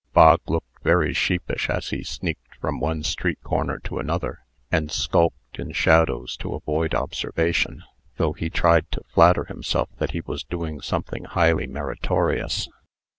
Bog looked very sheepish as he sneaked from one street corner to another, and skulked in shadows to avoid observation, though he tried to flatter himself that he was doing something highly meritorious.